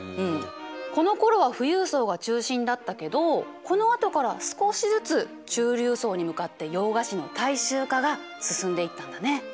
このころは富裕層が中心だったけどこのあとから少しずつ中流層に向かって洋菓子の大衆化が進んでいったんだね。